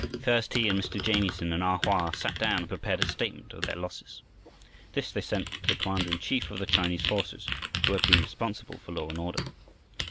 First, he and Mr. Jamieson and A Hoa sat down and prepared a statement of their losses. This they sent to the commander in chief of the Chinese forces, who had been responsible for law and order.